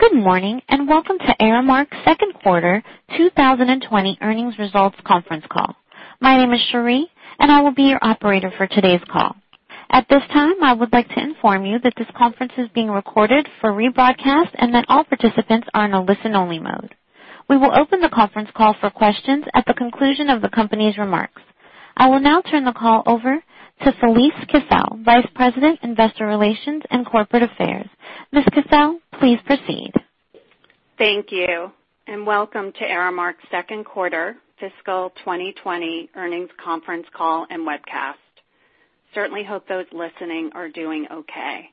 Good morning, and welcome to Aramark's second quarter 2020 earnings results conference call. My name is Cherie, and I will be your operator for today's call. At this time, I would like to inform you that this conference is being recorded for rebroadcast and that all participants are in a listen-only mode. We will open the conference call for questions at the conclusion of the company's remarks. I will now turn the call over to Felise Kissell, Vice President, Investor Relations and Corporate Affairs. Ms. Kissell, please proceed. Thank you, and welcome to Aramark's second quarter fiscal 2020 earnings conference call and webcast. Certainly hope those listening are doing okay.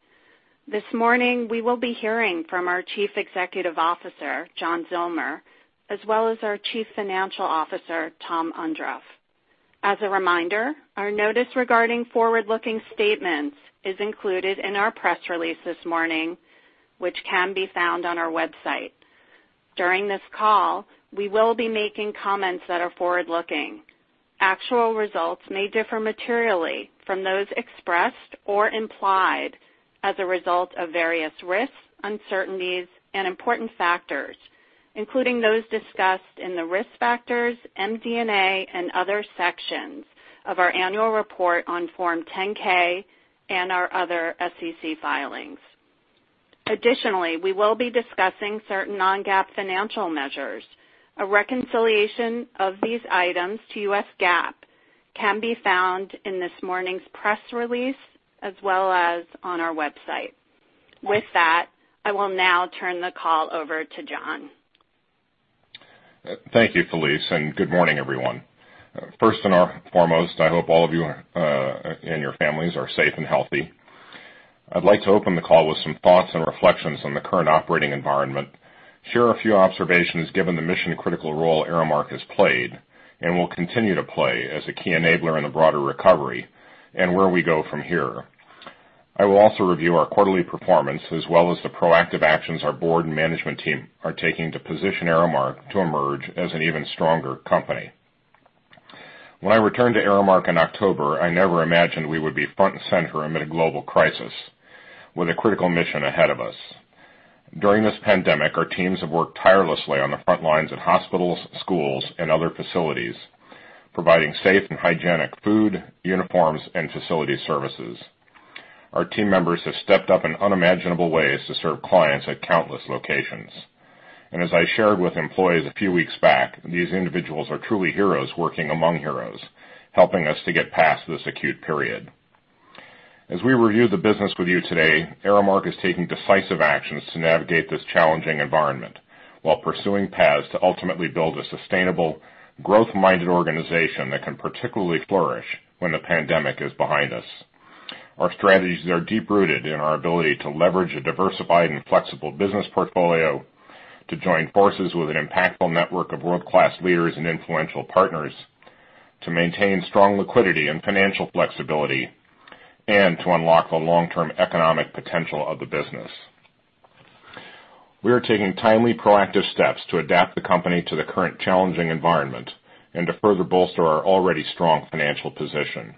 This morning, we will be hearing from our Chief Executive Officer, John Zillmer, as well as our Chief Financial Officer, Tom Ondrof. As a reminder, our notice regarding forward-looking statements is included in our press release this morning, which can be found on our website. During this call, we will be making comments that are forward-looking. Actual results may differ materially from those expressed or implied as a result of various risks, uncertainties, and important factors, including those discussed in the Risk Factors, MD&A, and other sections of our annual report on Form 10-K and our other SEC filings. Additionally, we will be discussing certain non-GAAP financial measures. A reconciliation of these items to U.S. GAAP can be found in this morning's press release as well as on our website. With that, I will now turn the call over to John. Thank you, Felise, good morning, everyone. First and foremost, I hope all of you and your families are safe and healthy. I'd like to open the call with some thoughts and reflections on the current operating environment, share a few observations, given the mission-critical role Aramark has played and will continue to play as a key enabler in the broader recovery and where we go from here. I will also review our quarterly performance, as well as the proactive actions our board and management team are taking to position Aramark to emerge as an even stronger company. When I returned to Aramark in October, I never imagined we would be front and center amid a global crisis with a critical mission ahead of us. During this pandemic, our teams have worked tirelessly on the front lines in hospitals, schools, and other facilities, providing safe and hygienic food, uniforms, and facility services. Our team members have stepped up in unimaginable ways to serve clients at countless locations. As I shared with employees a few weeks back, these individuals are truly heroes working among heroes, helping us to get past this acute period. As we review the business with you today, Aramark is taking decisive actions to navigate this challenging environment while pursuing paths to ultimately build a sustainable, growth-minded organization that can particularly flourish when the pandemic is behind us. Our strategies are deep-rooted in our ability to leverage a diversified and flexible business portfolio, to join forces with an impactful network of world-class leaders and influential partners, to maintain strong liquidity and financial flexibility, and to unlock the long-term economic potential of the business. We are taking timely, proactive steps to adapt the company to the current challenging environment and to further bolster our already strong financial position.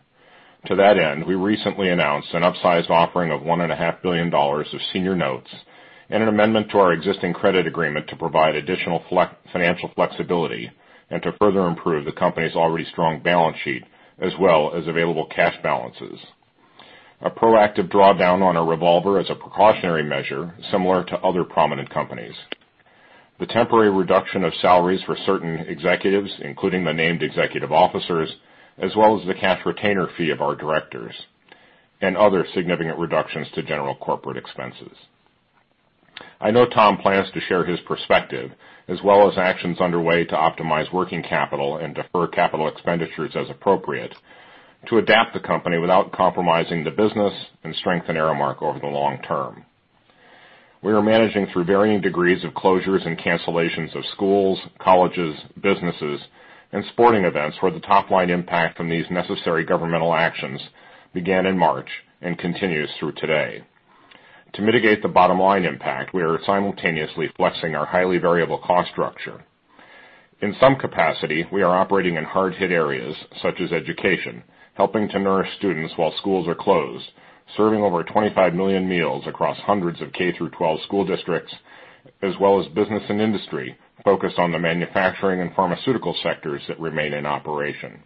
To that end, we recently announced an upsized offering of one and a half billion dollars of senior notes and an amendment to our existing credit agreement to provide additional financial flexibility and to further improve the company's already strong balance sheet, as well as available cash balances. A proactive drawdown on our revolver as a precautionary measure, similar to other prominent companies. The temporary reduction of salaries for certain executives, including the named executive officers, as well as the cash retainer fee of our directors, and other significant reductions to general corporate expenses. I know Tom plans to share his perspective, as well as actions underway to optimize working capital and defer capital expenditures as appropriate, to adapt the company without compromising the business and strengthen Aramark over the long term. We are managing through varying degrees of closures and cancellations of schools, colleges, businesses, and sporting events, where the top-line impact from these necessary governmental actions began in March and continues through today. To mitigate the bottom-line impact, we are simultaneously flexing our highly variable cost structure. In some capacity, we are operating in hard-hit areas such as education, helping to nourish students while schools are closed, serving over 25 million meals across hundreds of K-12 school districts, as well as Business & Industry, focused on the manufacturing and pharmaceutical sectors that remain in operation.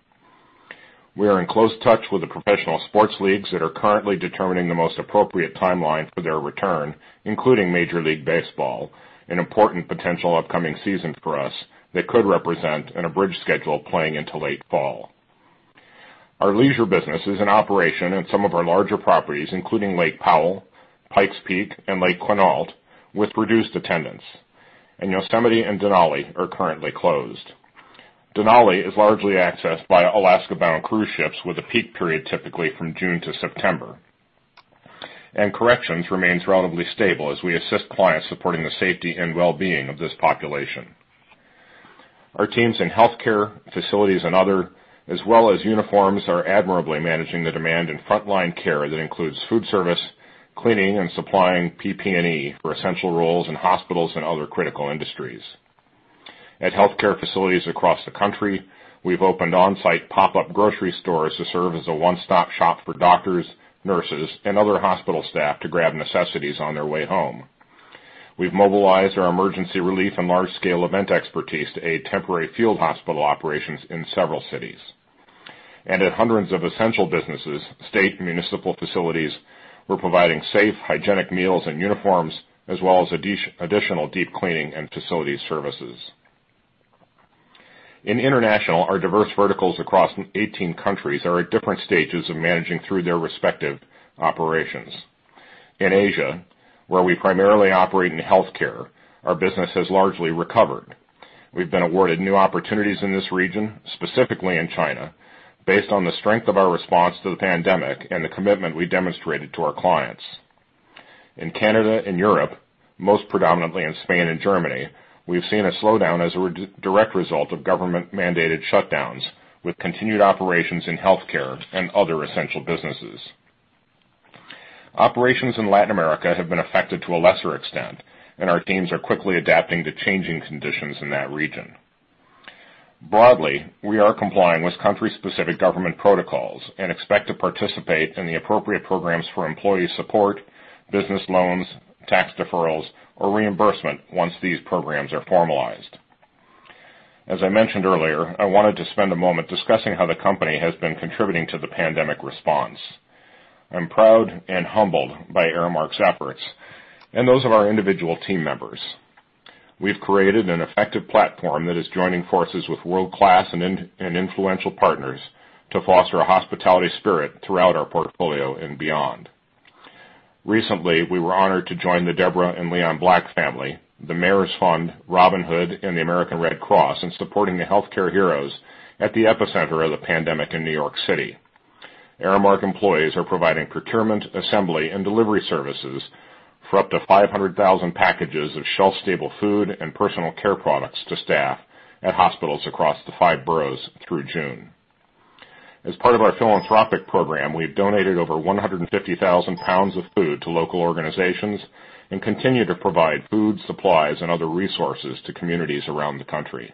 We are in close touch with the professional sports leagues that are currently determining the most appropriate timeline for their return, including Major League Baseball, an important potential upcoming season for us that could represent an abridged schedule playing into late fall. Our leisure business is in operation in some of our larger properties, including Lake Powell, Pikes Peak, and Lake Quinault, with reduced attendance, and Yosemite and Denali are currently closed. Denali is largely accessed by Alaska-bound cruise ships, with a peak period typically from June to September. Corrections remains relatively stable as we assist clients supporting the safety and well-being of this population. Our teams in healthcare, facilities, and other, as well as uniforms, are admirably managing the demand in frontline care that includes food service, cleaning, and supplying PPE for essential roles in hospitals and other critical industries. At healthcare facilities across the country, we've opened on-site pop-up grocery stores to serve as a one-stop shop for doctors, nurses, and other hospital staff to grab necessities on their way home. We've mobilized our emergency relief and large-scale event expertise to aid temporary field hospital operations in several cities. At hundreds of essential businesses, state, and municipal facilities, we're providing safe, hygienic meals and uniforms, as well as additional deep cleaning and facility services. In International, our diverse verticals across 18 countries are at different stages of managing through their respective operations. In Asia, where we primarily operate in healthcare, our business has largely recovered. We've been awarded new opportunities in this region, specifically in China, based on the strength of our response to the pandemic and the commitment we demonstrated to our clients. In Canada and Europe, most predominantly in Spain and Germany, we've seen a slowdown as a direct result of government-mandated shutdowns, with continued operations in healthcare and other essential businesses. Operations in Latin America have been affected to a lesser extent, our teams are quickly adapting to changing conditions in that region. Broadly, we are complying with country-specific government protocols and expect to participate in the appropriate programs for employee support, business loans, tax deferrals, or reimbursement once these programs are formalized. As I mentioned earlier, I wanted to spend a moment discussing how the company has been contributing to the pandemic response. I'm proud and humbled by Aramark's efforts and those of our individual team members. We've created an effective platform that is joining forces with world-class and influential partners to foster a hospitality spirit throughout our portfolio and beyond. Recently, we were honored to join the Debra and Leon Black Family, the Mayor's Fund, Robin Hood, and the American Red Cross in supporting the healthcare heroes at the epicenter of the pandemic in New York City. Aramark employees are providing procurement, assembly, and delivery services for up to 500,000 packages of shelf-stable food and personal care products to staff at hospitals across the five boroughs through June. As part of our philanthropic program, we've donated over 150,000 lb of food to local organizations and continue to provide food, supplies, and other resources to communities around the country.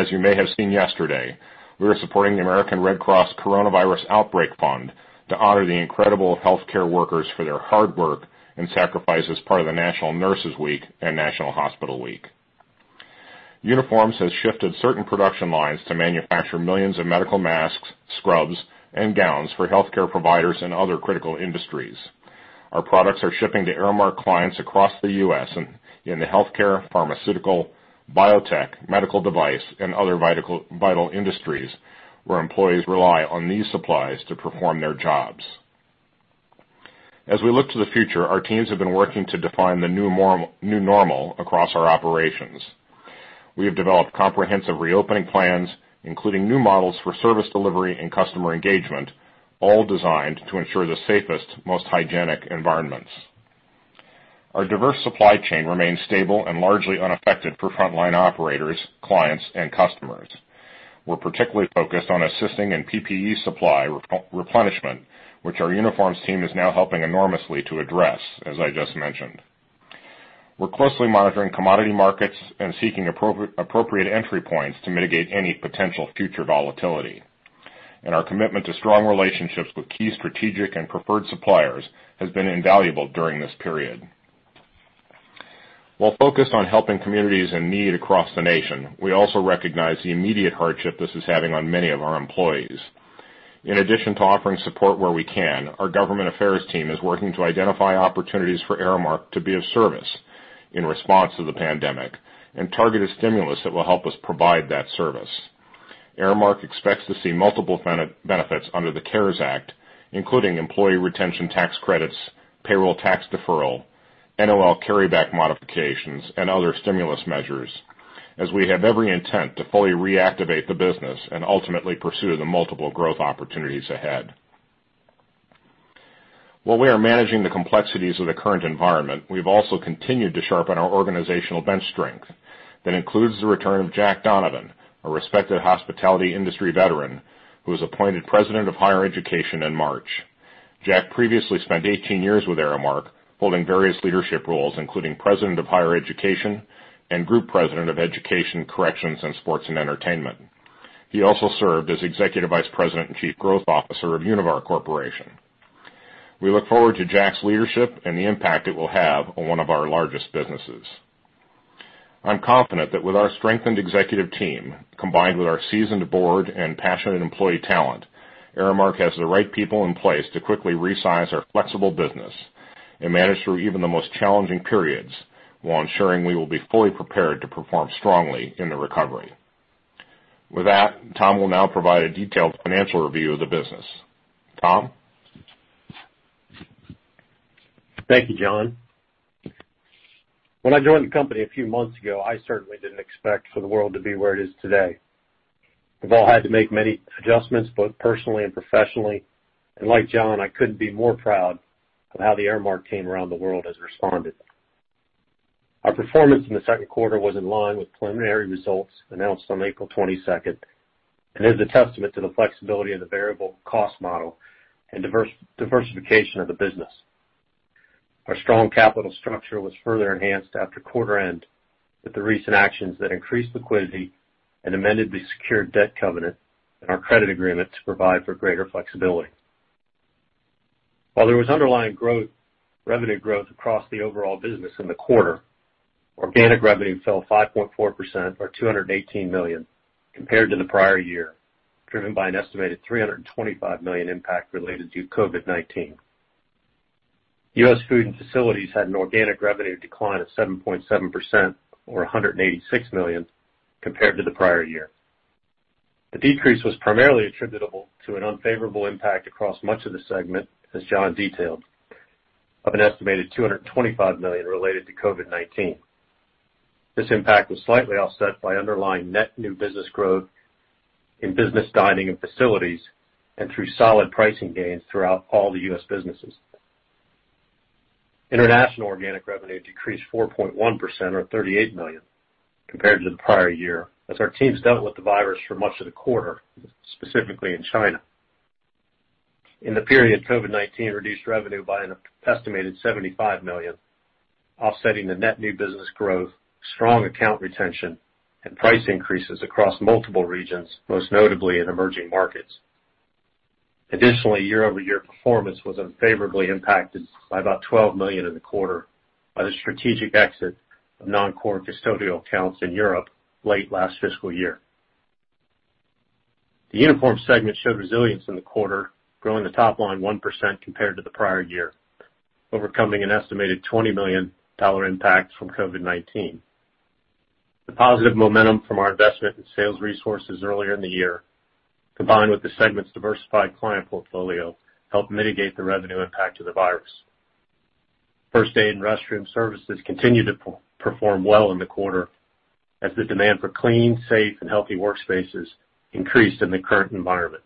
As you may have seen yesterday, we are supporting the American Red Cross Coronavirus Outbreak Fund to honor the incredible healthcare workers for their hard work and sacrifice as part of the National Nurses Week and National Hospital Week. Uniforms has shifted certain production lines to manufacture millions of medical masks, scrubs, and gowns for healthcare providers and other critical industries. Our products are shipping to Aramark clients across the U.S. and in the healthcare, pharmaceutical, biotech, medical device, and other vital industries, where employees rely on these supplies to perform their jobs. As we look to the future, our teams have been working to define the new normal across our operations. We have developed comprehensive reopening plans, including new models for service delivery and customer engagement, all designed to ensure the safest, most hygienic environments. Our diverse supply chain remains stable and largely unaffected for frontline operators, clients, and customers. We're particularly focused on assisting in PPE supply replenishment, which our uniforms team is now helping enormously to address, as I just mentioned. We're closely monitoring commodity markets and seeking appropriate entry points to mitigate any potential future volatility. Our commitment to strong relationships with key strategic and preferred suppliers has been invaluable during this period. While focused on helping communities in need across the nation, we also recognize the immediate hardship this is having on many of our employees. In addition to offering support where we can, our government affairs team is working to identify opportunities for Aramark to be of service in response to the pandemic and targeted stimulus that will help us provide that service. Aramark expects to see multiple benefits under the CARES Act, including employee retention tax credits, payroll tax deferral, NOL carryback modifications, and other stimulus measures, as we have every intent to fully reactivate the business and ultimately pursue the multiple growth opportunities ahead. While we are managing the complexities of the current environment, we've also continued to sharpen our organizational bench strength. That includes the return of Jack Donovan, a respected hospitality industry veteran, who was appointed President of Higher Education in March. Jack previously spent 18 years with Aramark, holding various leadership roles, including President of Higher Education and Group President of Education, Corrections, and Sports & Entertainment. He also served as Executive Vice President and Chief Growth Officer of Univar Corporation. We look forward to Jack's leadership and the impact it will have on one of our largest businesses. I'm confident that with our strengthened executive team, combined with our seasoned board and passionate employee talent, Aramark has the right people in place to quickly resize our flexible business and manage through even the most challenging periods, while ensuring we will be fully prepared to perform strongly in the recovery. With that, Tom will now provide a detailed financial review of the business. Tom? Thank you, John. When I joined the company a few months ago, I certainly didn't expect for the world to be where it is today. We've all had to make many adjustments, both personally and professionally, and like John, I couldn't be more proud of how the Aramark team around the world has responded. Our performance in the second quarter was in line with preliminary results announced on April 22nd, and is a testament to the flexibility of the variable cost model and diversification of the business. Our strong capital structure was further enhanced after quarter end, with the recent actions that increased liquidity and amended the secured debt covenant in our credit agreement to provide for greater flexibility. While there was underlying growth, revenue growth across the overall business in the quarter, organic revenue fell 5.4% or $218 million compared to the prior year, driven by an estimated $325 million impact related to COVID-19. U.S. Food & Facilities had an organic revenue decline of 7.7% or $186 million compared to the prior year. The decrease was primarily attributable to an unfavorable impact across much of the segment, as John detailed, of an estimated $225 million related to COVID-19. This impact was slightly offset by underlying net new business growth in business dining and facilities, and through solid pricing gains throughout all the U.S. businesses. International organic revenue decreased 4.1% or $38 million compared to the prior year, as our teams dealt with the virus for much of the quarter, specifically in China. In the period, COVID-19 reduced revenue by an estimated $75 million, offsetting the net new business growth, strong account retention, and price increases across multiple regions, most notably in emerging markets. Year-over-year performance was unfavorably impacted by about $12 million in the quarter by the strategic exit of non-core custodial accounts in Europe late last fiscal year. The uniform segment showed resilience in the quarter, growing the top line 1% compared to the prior year, overcoming an estimated $20 million impact from COVID-19. The positive momentum from our investment in sales resources earlier in the year, combined with the segment's diversified client portfolio, helped mitigate the revenue impact of the virus. First aid and restroom services continued to perform well in the quarter as the demand for clean, safe, and healthy workspaces increased in the current environment.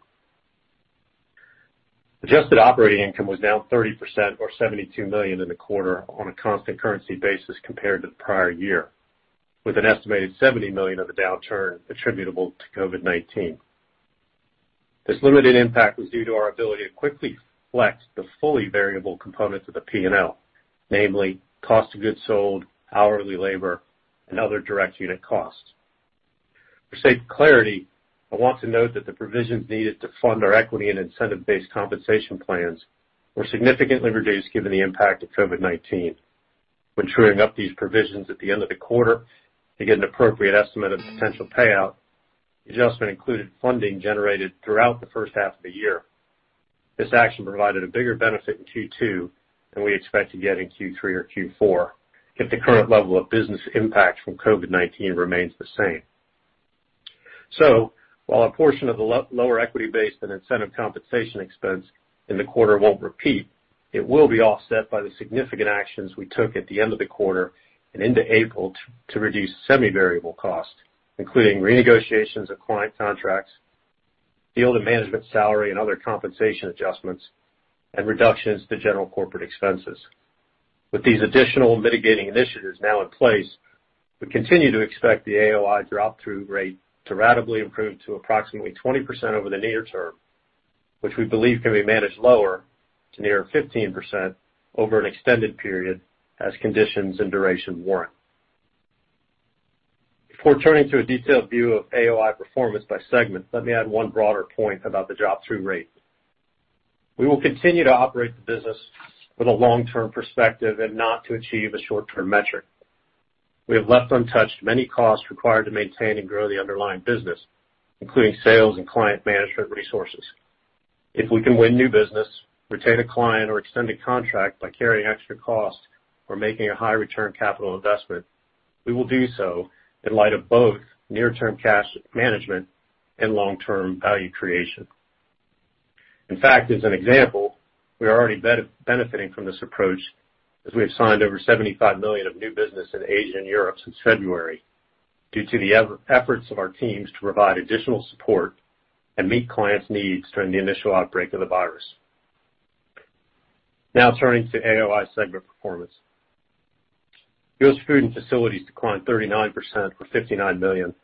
Adjusted operating income was down 30% or $72 million in the quarter on a constant currency basis compared to the prior year, with an estimated $70 million of the downturn attributable to COVID-19. This limited impact was due to our ability to quickly flex the fully variable components of the P&L, namely cost of goods sold, hourly labor, and other direct unit costs. For sake of clarity, I want to note that the provisions needed to fund our equity and incentive-based compensation plans were significantly reduced given the impact of COVID-19. When truing up these provisions at the end of the quarter to get an appropriate estimate of potential payout, the adjustment included funding generated throughout the first half of the year. This action provided a bigger benefit in Q2 than we expect to get in Q3 or Q4, if the current level of business impact from COVID-19 remains the same. While a portion of the lower equity base and incentive compensation expense in the quarter won't repeat, it will be offset by the significant actions we took at the end of the quarter and into April to reduce semi-variable costs, including renegotiations of client contracts, field and management salary, and other compensation adjustments, and reductions to general corporate expenses. With these additional mitigating initiatives now in place, we continue to expect the AOI drop-through rate to ratably improve to approximately 20% over the near term, which we believe can be managed lower to near 15% over an extended period as conditions and duration warrant. Before turning to a detailed view of AOI performance by segment, let me add one broader point about the drop-through rate. We will continue to operate the business with a long-term perspective and not to achieve a short-term metric. We have left untouched many costs required to maintain and grow the underlying business, including sales and client management resources. If we can win new business, retain a client, or extend a contract by carrying extra costs or making a high return capital investment, we will do so in light of both near-term cash management and long-term value creation. In fact, as an example, we are already benefiting from this approach as we have signed over $75 million of new business in Asia and Europe since February due to the efforts of our teams to provide additional support and meet clients' needs during the initial outbreak of the virus. Now turning to AOI segment performance. U.S. Food & Facilities declined 39% or $59 million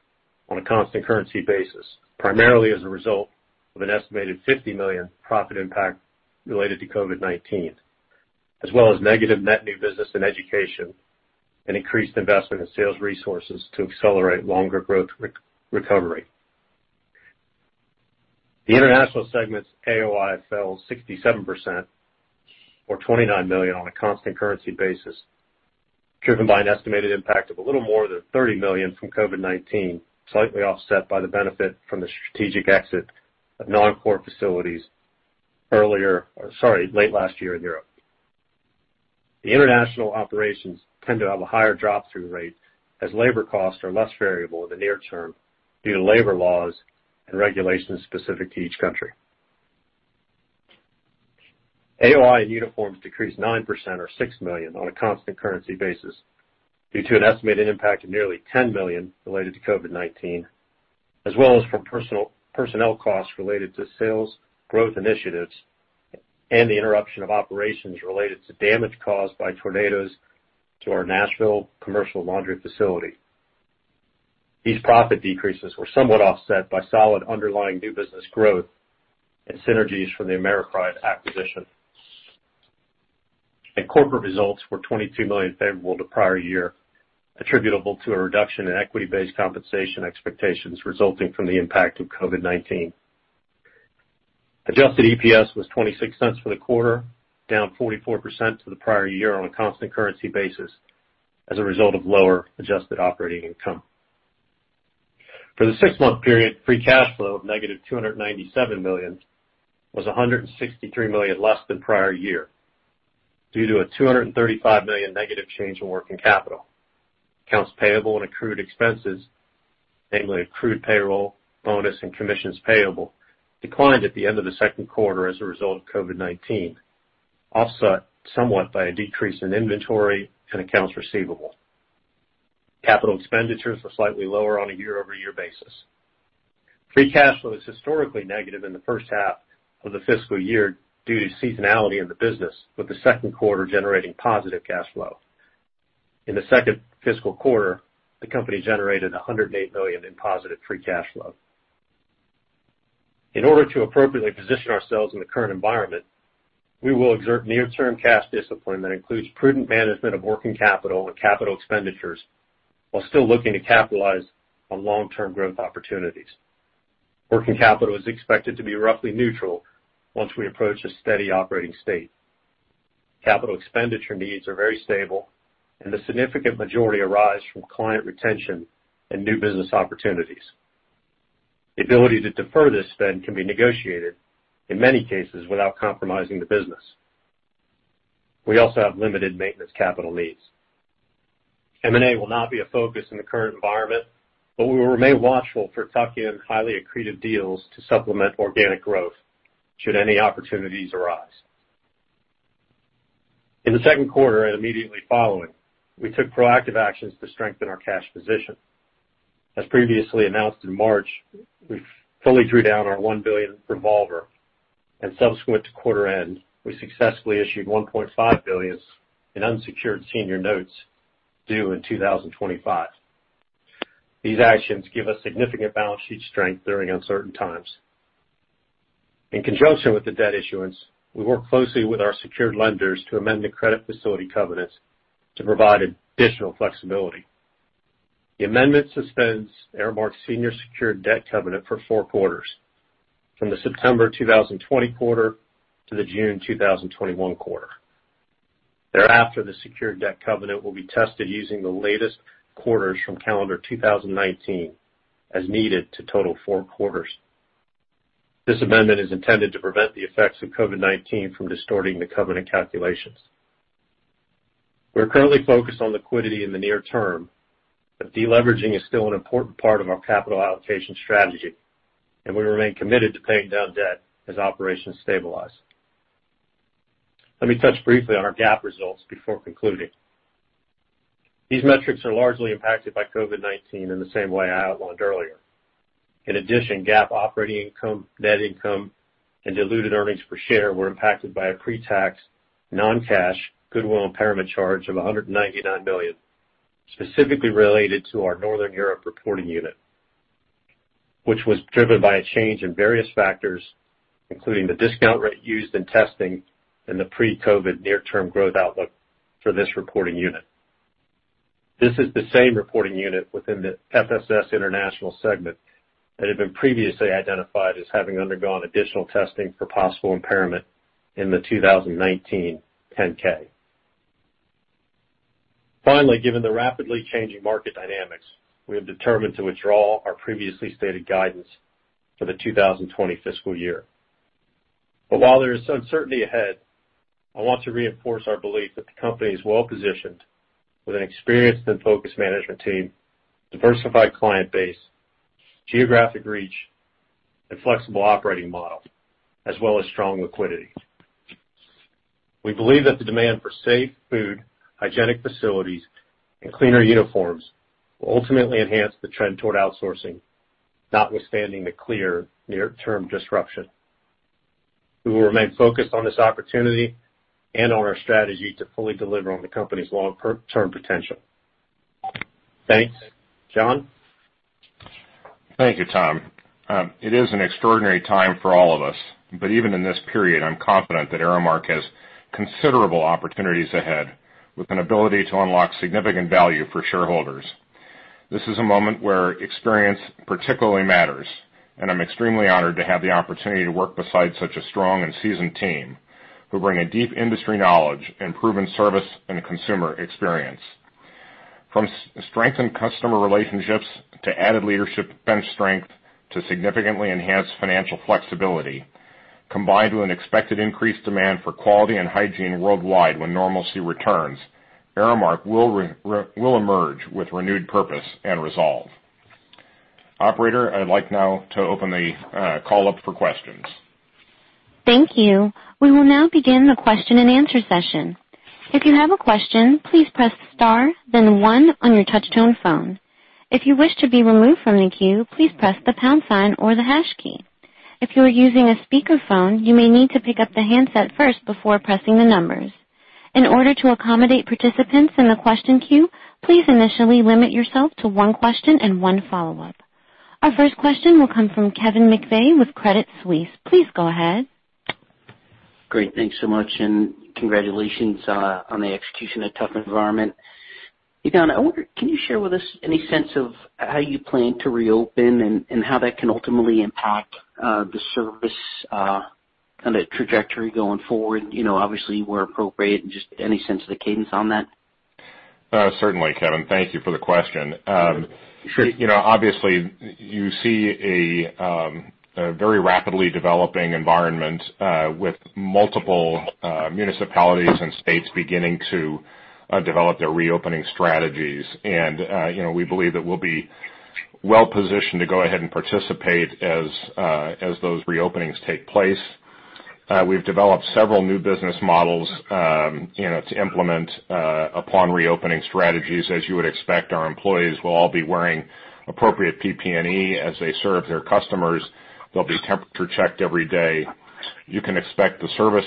on a constant currency basis, primarily as a result of an estimated $50 million profit impact related to COVID-19, as well as negative net new business in education and increased investment in sales resources to accelerate longer growth recovery. The international segment's AOI fell 67% or $29 million on a constant currency basis, driven by an estimated impact of a little more than $30 million from COVID-19, slightly offset by the benefit from the strategic exit of non-core facilities Or sorry, late last year in Europe. The international operations tend to have a higher drop-through rate as labor costs are less variable in the near term due to labor laws and regulations specific to each country. AOI in uniforms decreased 9% or $6 million on a constant currency basis due to an estimated impact of nearly $10 million related to COVID-19, as well as from personnel costs related to sales growth initiatives and the interruption of operations related to damage caused by tornadoes to our Nashville commercial laundry facility. These profit decreases were somewhat offset by solid underlying new business growth and synergies from the AmeriPride acquisition. Corporate results were $22 million favorable to prior year, attributable to a reduction in equity-based compensation expectations resulting from the impact of COVID-19. Adjusted EPS was $0.26 for the quarter, down 44% to the prior year on a constant currency basis as a result of lower adjusted operating income. For the six-month period, free cash flow of -$297 million, was $163 million less than prior year, due to a $235 million negative change in working capital. Accounts payable and accrued expenses, namely accrued payroll, bonus, and commissions payable, declined at the end of the second quarter as a result of COVID-19, offset somewhat by a decrease in inventory and accounts receivable. Capital expenditures were slightly lower on a year-over-year basis. Free cash flow is historically negative in the first half of the fiscal year due to seasonality in the business, with the second quarter generating positive cash flow. In the second fiscal quarter, the company generated $108 million in positive free cash flow. In order to appropriately position ourselves in the current environment, we will exert near-term cash discipline that includes prudent management of working capital and capital expenditures, while still looking to capitalize on long-term growth opportunities. Working capital is expected to be roughly neutral once we approach a steady operating state. Capital expenditure needs are very stable, and the significant majority arise from client retention and new business opportunities. The ability to defer this spend can be negotiated, in many cases, without compromising the business. We also have limited maintenance capital needs. M&A will not be a focus in the current environment, but we will remain watchful for tuck-in, highly accretive deals to supplement organic growth should any opportunities arise. In the second quarter and immediately following, we took proactive actions to strengthen our cash position. As previously announced in March, we fully drew down our $1 billion revolver. Subsequent to quarter end, we successfully issued $1.5 billion in unsecured senior notes due in 2025. These actions give us significant balance sheet strength during uncertain times. In conjunction with the debt issuance, we worked closely with our secured lenders to amend the credit facility covenants to provide additional flexibility. The amendment suspends Aramark's senior secured debt covenant for four quarters, from the September 2020 quarter to the June 2021 quarter. Thereafter, the secured debt covenant will be tested using the latest quarters from calendar 2019, as needed, to total four quarters. This amendment is intended to prevent the effects of COVID-19 from distorting the covenant calculations. We're currently focused on liquidity in the near term, but deleveraging is still an important part of our capital allocation strategy, and we remain committed to paying down debt as operations stabilize. Let me touch briefly on our GAAP results before concluding. These metrics are largely impacted by COVID-19 in the same way I outlined earlier. In addition, GAAP operating income, net income, and diluted earnings per share were impacted by a pretax, non-cash, goodwill impairment charge of $199 million, specifically related to our Northern Europe reporting unit, which was driven by a change in various factors, including the discount rate used in testing and the pre-COVID near-term growth outlook for this reporting unit. This is the same reporting unit within the FSS International segment that had been previously identified as having undergone additional testing for possible impairment in the 2019 10-K. Given the rapidly changing market dynamics, we have determined to withdraw our previously stated guidance for the 2020 fiscal year. While there is some uncertainty ahead, I want to reinforce our belief that the company is well positioned with an experienced and focused management team, diversified client base, geographic reach, and flexible operating model, as well as strong liquidity. We believe that the demand for safe food, hygienic facilities, and cleaner uniforms will ultimately enhance the trend toward outsourcing, notwithstanding the clear near-term disruption. We will remain focused on this opportunity and on our strategy to fully deliver on the company's long-term potential. Thanks. John? Thank you, Tom. It is an extraordinary time for all of us, but even in this period, I'm confident that Aramark has considerable opportunities ahead, with an ability to unlock significant value for shareholders. This is a moment where experience particularly matters, and I'm extremely honored to have the opportunity to work beside such a strong and seasoned team, who bring a deep industry knowledge and proven service and consumer experience. From strengthened customer relationships, to added leadership bench strength, to significantly enhanced financial flexibility, combined with an expected increased demand for quality and hygiene worldwide when normalcy returns, Aramark will emerge with renewed purpose and resolve. Operator, I'd like now to open the call up for questions. Thank you. We will now begin the question and answer session. If you have a question, please press star, then one on your touch-tone phone. If you wish to be removed from the queue, please press the pound sign or the hash key. If you are using a speakerphone, you may need to pick up the handset first before pressing the numbers. In order to accommodate participants in the question queue, please initially limit yourself to one question and one follow-up. Our first question will come from Kevin McVeigh with Credit Suisse. Please go ahead. Great, thanks so much, and congratulations, on the execution in a tough environment. jon, I wonder, can you share with us any sense of how you plan to reopen and how that can ultimately impact the service, kind of trajectory going forward, you know, obviously, where appropriate, and just any sense of the cadence on that? Certainly, Kevin, thank you for the question. You know, obviously, you see a very rapidly developing environment, with multiple municipalities and states beginning to develop their reopening strategies. You know, we believe that we'll be well positioned to go ahead and participate as those reopenings take place. We've developed several new business models, you know, to implement upon reopening strategies. As you would expect, our employees will all be wearing appropriate PPE as they serve their customers. They'll be temperature checked every day. You can expect the service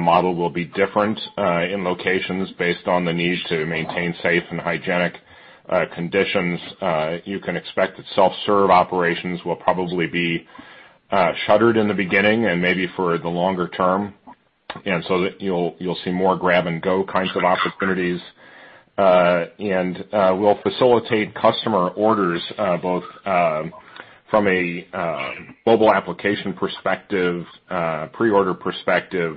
model will be different in locations based on the need to maintain safe and hygienic conditions. You can expect that self-serve operations will probably be shuttered in the beginning and maybe for the longer term. That you'll see more grab-and-go kinds of opportunities. And we'll facilitate customer orders, both from a mobile application perspective, pre-order perspective.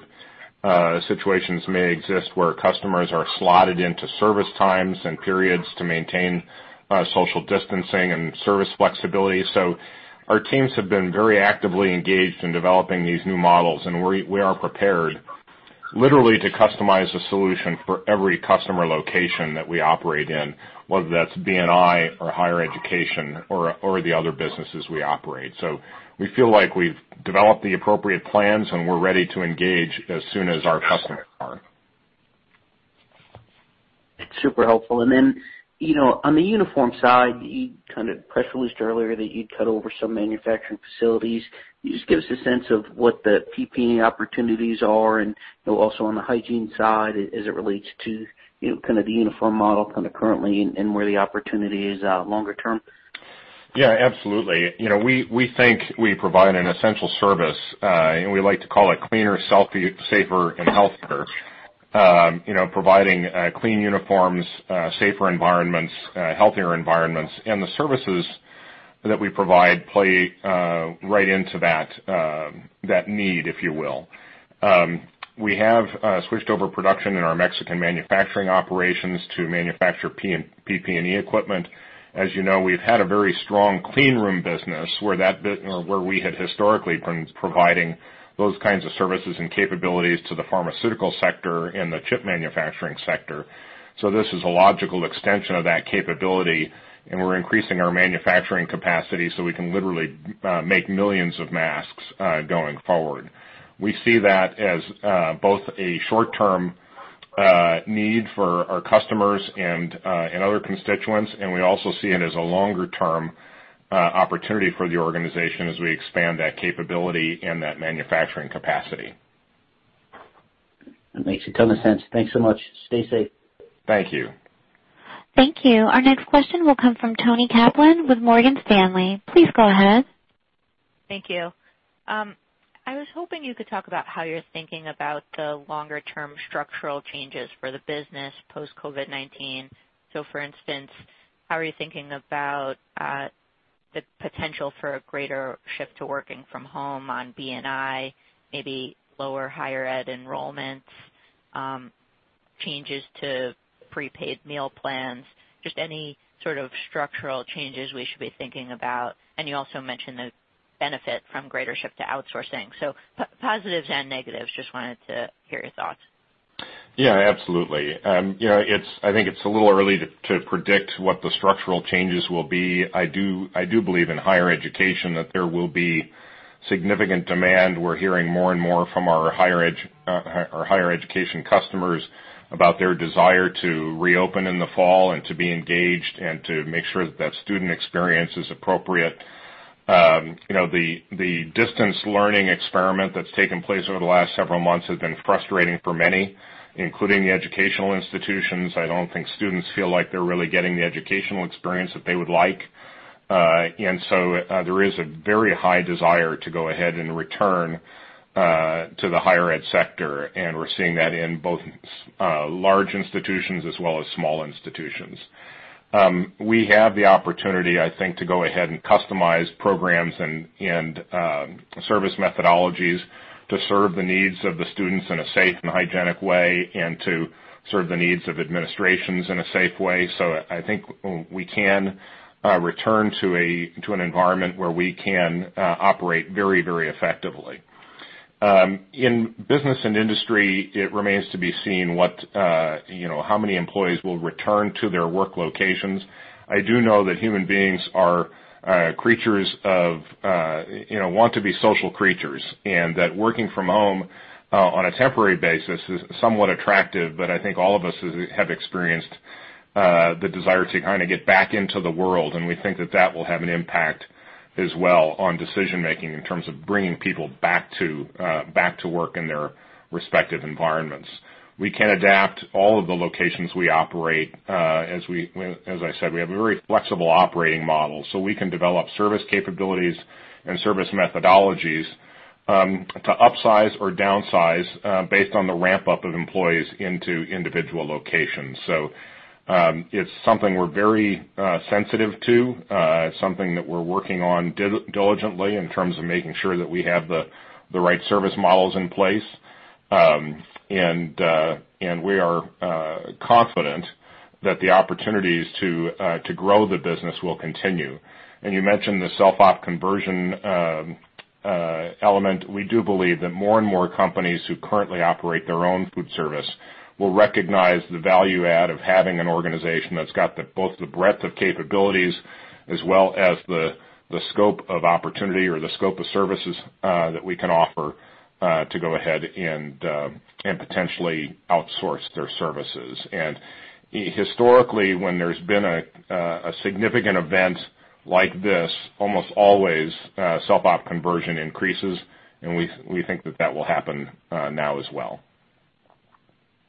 Situations may exist where customers are slotted into service times and periods to maintain social distancing and service flexibility. Our teams have been very actively engaged in developing these new models, and we are prepared literally to customize a solution for every customer location that we operate in, whether that's B&I or higher education or the other businesses we operate. We feel like we've developed the appropriate plans, and we're ready to engage as soon as our customers are. Super helpful. You know, on the uniform side, you kind of press released earlier that you'd cut over some manufacturing facilities. Can you just give us a sense of what the PPE opportunities are, and also on the hygiene side as it relates to, you know, kind of the uniform model kind of currently and where the opportunity is longer term? Absolutely. We think we provide an essential service, and we like to call it cleaner, healthier, safer and healthier. Providing clean uniforms, safer environments, healthier environments, and the services that we provide play right into that need, if you will. We have switched over production in our Mexican manufacturing operations to manufacture PPE equipment. As we've had a very strong clean room business, where we had historically been providing those kinds of services and capabilities to the pharmaceutical sector and the chip manufacturing sector. This is a logical extension of that capability, and we're increasing our manufacturing capacity so we can literally make millions of masks going forward. We see that as both a short-term need for our customers and other constituents, and we also see it as a longer-term opportunity for the organization as we expand that capability and that manufacturing capacity. That makes a ton of sense. Thanks so much. Stay safe. Thank you. Thank you. Our next question will come from Toni Kaplan with Morgan Stanley. Please go ahead. Thank you. I was hoping you could talk about how you're thinking about the longer-term structural changes for the business post-COVID-19. For instance, how are you thinking about the potential for a greater shift to working from home on B&I, maybe lower higher ed enrollments, changes to prepaid meal plans, just any sort of structural changes we should be thinking about? You also mentioned the benefit from greater shift to outsourcing. Positives and negatives, just wanted to hear your thoughts. Yeah, absolutely. you know, I think it's a little early to predict what the structural changes will be. I do believe in higher education, that there will be significant demand. We're hearing more and more from our higher ed, our higher education customers about their desire to reopen in the fall and to be engaged and to make sure that student experience is appropriate. you know, the distance learning experiment that's taken place over the last several months has been frustrating for many, including the educational institutions. I don't think students feel like they're really getting the educational experience that they would like. There is a very high desire to go ahead and return, to the higher ed sector, and we're seeing that in both, large institutions as well as small institutions. We have the opportunity, I think, to go ahead and customize programs and service methodologies to serve the needs of the students in a safe and hygienic way and to serve the needs of administrations in a safe way. I think we can return to an environment where we can operate very effectively. In Business & Industry, it remains to be seen what, you know, how many employees will return to their work locations. I do know that human beings are creatures of, you know, want to be social creatures, and that working from home on a temporary basis is somewhat attractive, but I think all of us have experienced... The desire to kind of get back into the world, and we think that that will have an impact as well on decision making in terms of bringing people back to work in their respective environments. We can adapt all of the locations we operate, as I said, we have a very flexible operating model, so we can develop service capabilities and service methodologies to upsize or downsize based on the ramp-up of employees into individual locations. It's something we're very sensitive to, something that we're working on diligently in terms of making sure that we have the right service models in place. We are confident that the opportunities to grow the business will continue. You mentioned the self-op conversion element. We do believe that more and more companies who currently operate their own food service will recognize the value add of having an organization that's got both the breadth of capabilities as well as the scope of opportunity or the scope of services that we can offer to go ahead and potentially outsource their services. Historically, when there's been a significant event like this, almost always self-op conversion increases, and we think that that will happen now as well.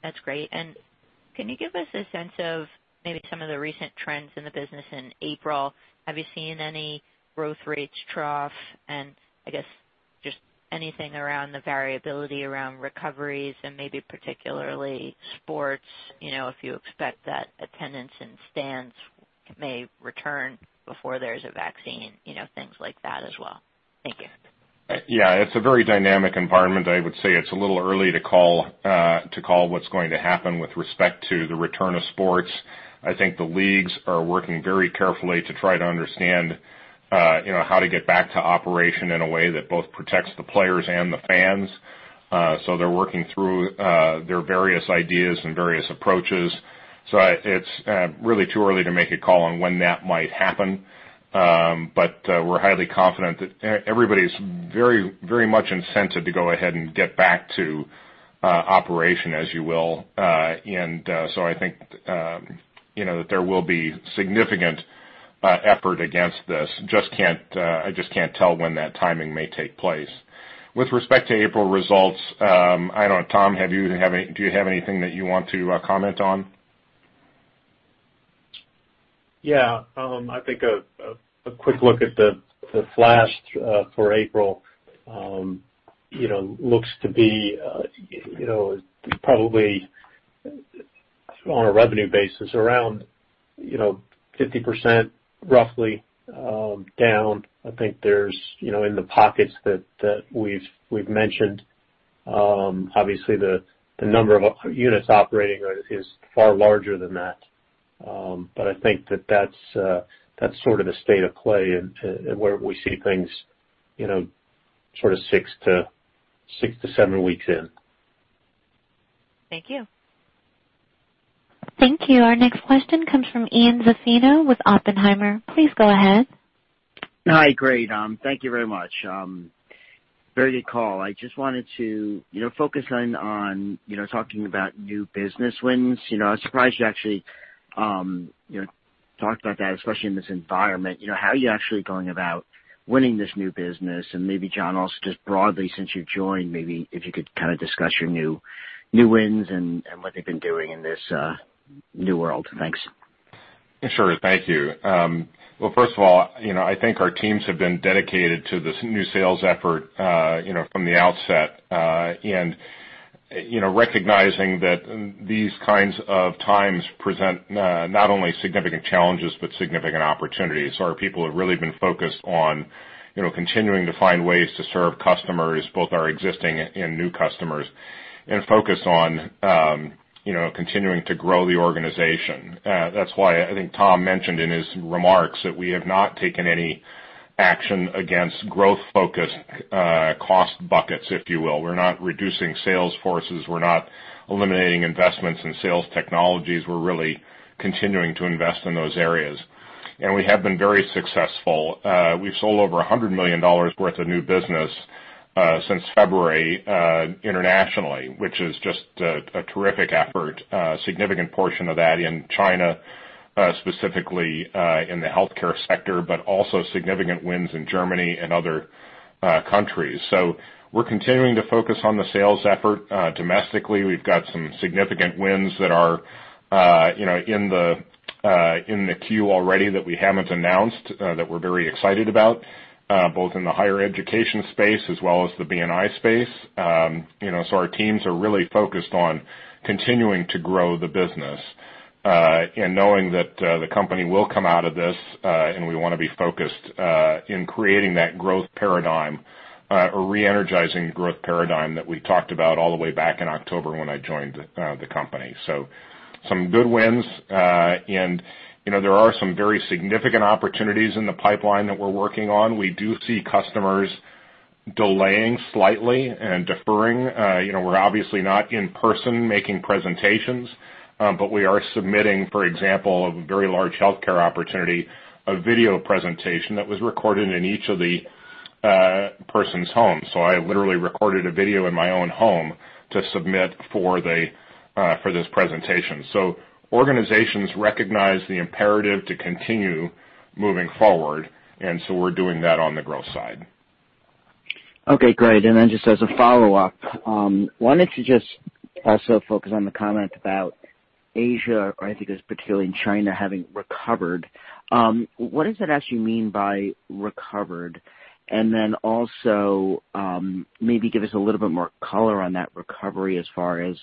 That's great. Can you give us a sense of maybe some of the recent trends in the business in April? Have you seen any growth rates trough? I guess just anything around the variability around recoveries and maybe particularly sports, you know, if you expect that attendance in stands may return before there's a vaccine, you know, things like that as well. Thank you. Yeah, it's a very dynamic environment. I would say it's a little early to call, to call what's going to happen with respect to the return of sports. I think the leagues are working very carefully to try to understand, you know, how to get back to operation in a way that both protects the players and the fans. They're working through their various ideas and various approaches. It's really too early to make a call on when that might happen. We're highly confident that everybody's very, very much incented to go ahead and get back to operation, as you will. I think, you know, that there will be significant effort against this. Just can't, I just can't tell when that timing may take place. With respect to April results, I don't know, Tom, do you have anything that you want to comment on? I think a quick look at the flash for April, you know, looks to be, you know, probably on a revenue basis, around, you know, 50% roughly down. I think there's, you know, in the pockets that we've mentioned, obviously the number of units operating is far larger than that. But I think that that's sort of the state of play and where we see things, you know, sort of six to seven weeks in. Thank you. Thank you. Our next question comes from Ian Zaffino with Oppenheimer. Please go ahead. Hi, great. Thank you very much. Very good call. I just wanted to, you know, focus in on, you know, talking about new business wins. You know, I was surprised you actually, you know, talked about that, especially in this environment. You know, how are you actually going about winning this new business? Maybe, John, also just broadly, since you've joined, maybe if you could kind of discuss your new wins and what they've been doing in this new world. Thanks. Sure. Thank you. Well, first of all, you know, I think our teams have been dedicated to this new sales effort, you know, from the outset. You know, recognizing that these kinds of times present not only significant challenges, but significant opportunities. Our people have really been focused on, you know, continuing to find ways to serve customers, both our existing and new customers, and focus on, you know, continuing to grow the organization. That's why I think Tom mentioned in his remarks that we have not taken any action against growth-focused, cost buckets, if you will. We're not reducing sales forces. We're not eliminating investments in sales technologies. We're really continuing to invest in those areas. We have been very successful. We've sold over $100 million worth of new business since February internationally, which is just a terrific effort, significant portion of that in China specifically in the healthcare sector, but also significant wins in Germany and other countries. We're continuing to focus on the sales effort. Domestically, we've got some significant wins that are, you know, in the in the queue already that we haven't announced that we're very excited about both in the higher education space as well as the B&I space. You know, so our teams are really focused on continuing to grow the business, and knowing that the company will come out of this, and we wanna be focused in creating that growth paradigm, or re-energizing growth paradigm that we talked about all the way back in October when I joined the company. Some good wins. And, you know, there are some very significant opportunities in the pipeline that we're working on. We do see customers delaying slightly and deferring. You know, we're obviously not in person making presentations, but we are submitting, for example, a very large healthcare opportunity, a video presentation that was recorded in each of the person's home. So I literally recorded a video in my own home to submit for this presentation. Organizations recognize the imperative to continue moving forward, and so we're doing that on the growth side. Okay, great. Just as a follow-up, why don't you just also focus on the comment about Asia, or I think it was particularly in China, having recovered. What does that actually mean by recovered? Also, maybe give us a little bit more color on that recovery as far as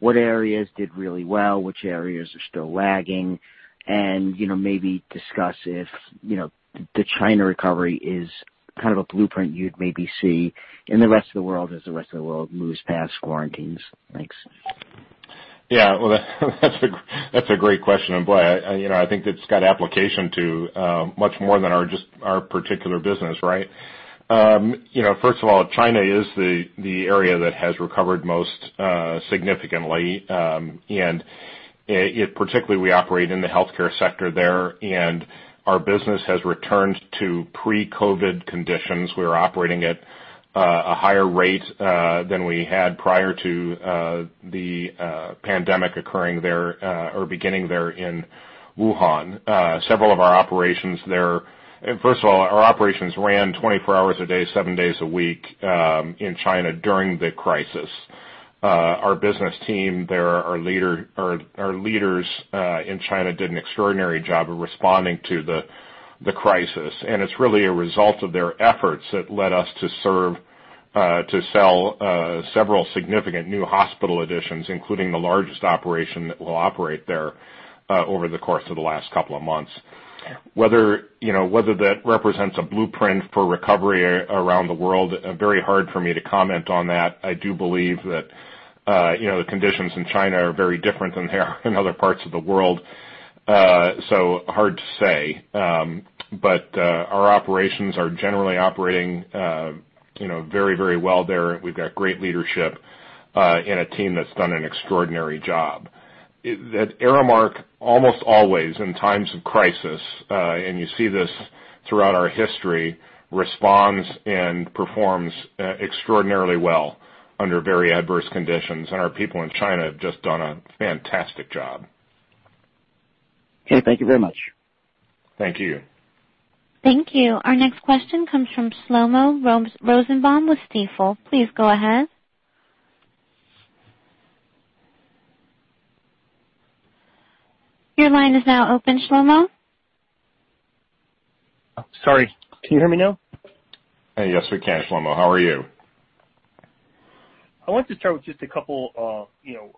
what areas did really well, which areas are still lagging, and, you know, maybe discuss if, you know, the China recovery is kind of a blueprint you'd maybe see in the rest of the world as the rest of the world moves past quarantines. Thanks. Yeah, well, that's a, that's a great question, and boy, I, you know, I think it's got application to much more than our just, our particular business, right? You know, first of all, China is the area that has recovered most significantly. Particularly, we operate in the healthcare sector there, and our business has returned to pre-COVID-19 conditions. We're operating at a higher rate than we had prior to the pandemic occurring there or beginning there in Wuhan. Several of our operations there... First of all, our operations ran 24 hours a day, seven days a week, in China during the crisis. Our business team there, our leaders in China, did an extraordinary job of responding to the crisis, and it's really a result of their efforts that led us to serve, to sell, several significant new hospital additions, including the largest operation that will operate there, over the course of the last couple of months. Whether, you know, that represents a blueprint for recovery around the world, very hard for me to comment on that. I do believe that, you know, the conditions in China are very different than they are in other parts of the world. Hard to say. Our operations are generally operating, you know, very well there. We've got great leadership, a team that's done an extraordinary job. That Aramark almost always, in times of crisis, and you see this throughout our history, responds and performs extraordinarily well under very adverse conditions, and our people in China have just done a fantastic job. Okay. Thank you very much. Thank you. Thank you. Our next question comes from Shlomo Rosenbaum with Stifel. Please go ahead. Your line is now open, Shlomo. Sorry. Can you hear me now? Hey, yes, we can, Shlomo. How are you? I want to start with just a couple, you know,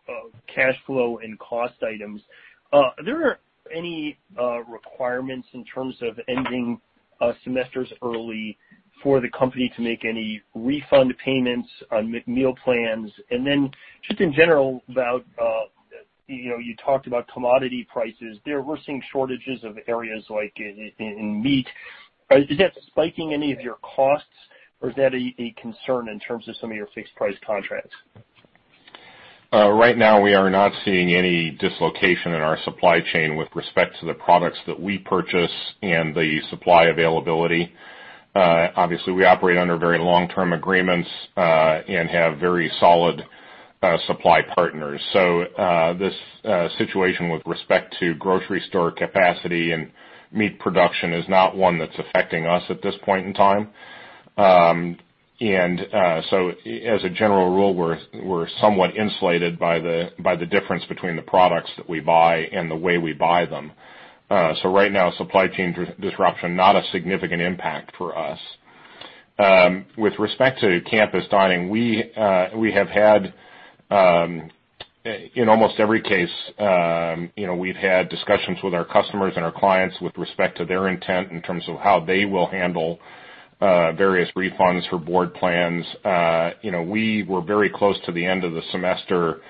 cash flow and cost items. Are there any requirements in terms of ending semesters early for the company to make any refund payments on meal plans? Just in general, about, you know, you talked about commodity prices. There, we're seeing shortages of areas like in meat. Is that spiking any of your costs, or is that a concern in terms of some of your fixed price contracts? Right now, we are not seeing any dislocation in our supply chain with respect to the products that we purchase and the supply availability. Obviously, we operate under very long-term agreements, and have very solid supply partners. This situation with respect to grocery store capacity and meat production is not one that's affecting us at this point in time. As a general rule, we're somewhat insulated by the difference between the products that we buy and the way we buy them. Right now, supply chain disruption, not a significant impact for us. With respect to campus dining, we have had in almost every case, you know, we've had discussions with our customers and our clients with respect to their intent in terms of how they will handle various refunds for board plans. You know, we were very close to the end of the semester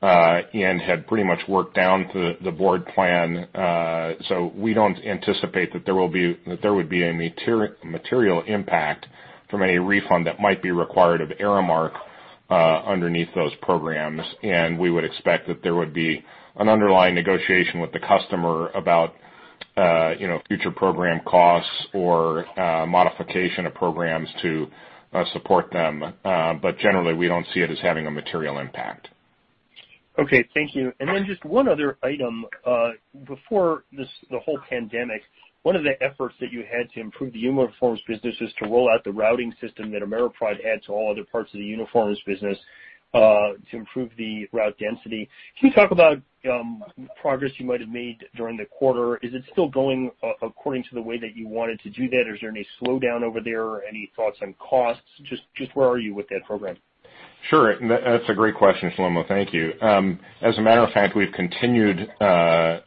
and had pretty much worked down to the board plan. We don't anticipate that there would be a material impact from any refund that might be required of Aramark underneath those programs. We would expect that there would be an underlying negotiation with the customer about, you know, future program costs or modification of programs to support them. Generally, we don't see it as having a material impact. Okay. Thank you. Then just one other item. Before this, the whole pandemic, one of the efforts that you had to improve the uniforms business is to roll out the routing system that AmeriPride had to all other parts of the uniforms business, to improve the route density. Can you talk about progress you might have made during the quarter? Is it still going according to the way that you wanted to do that? Is there any slowdown over there or any thoughts on costs? Just where are you with that program? Sure. That's a great question, Shlomo. Thank you. As a matter of fact, we've continued, you know,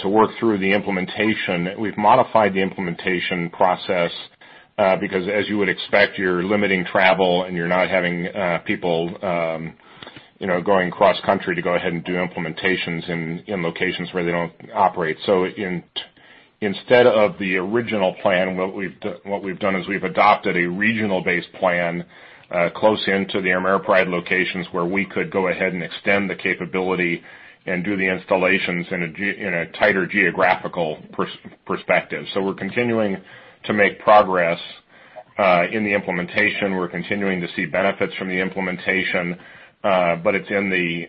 to work through the implementation. We've modified the implementation process, because as you would expect, you're limiting travel and you're not having people, you know, going cross-country to go ahead and do implementations in locations where they don't operate. Instead of the original plan, what we've done is we've adopted a regional-based plan, close into the AmeriPride locations, where we could go ahead and extend the capability and do the installations in a tighter geographical perspective. We're continuing to make progress in the implementation. We're continuing to see benefits from the implementation, but it's in the,